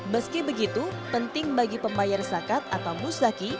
meski begitu penting bagi pembayar zakat atau musdaki